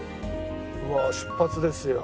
うわあ出発ですよ。